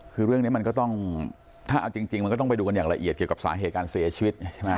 คือเรื่องนี้มันก็ต้องถ้าเอาจริงมันก็ต้องไปดูกันอย่างละเอียดเกี่ยวกับสาเหตุการเสียชีวิตใช่ไหม